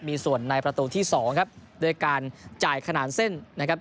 มีส่วนในประตูที่สองครับด้วยการจ่ายขนาดเส้นนะครับ